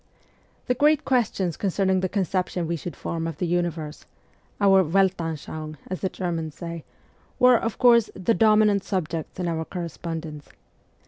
The great questions concerning the conception we should form of the universe our Weltanschauung, as the Germans say were, of course, the dominant subjects in our correspondence.